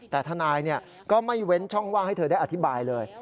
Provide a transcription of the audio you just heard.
แต่ทนายก็ไม่เว้นช่องว่างให้เธอได้อธิบายเลย